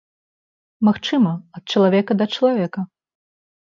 Магчыма, ад чалавека да чалавека.